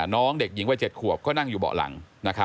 น้องเด็กหญิงวัย๗ขวบก็นั่งอยู่เบาะหลัง